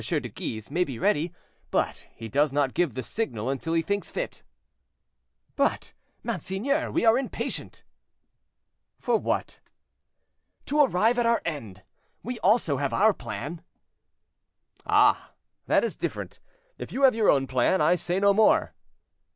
de Guise may be ready, but he does not give the signal until he thinks fit." "But, monseigneur, we are impatient." "For what?" "To arrive at our end. We also have our plan." "Ah! that is different; if you have your own plan, I say no more."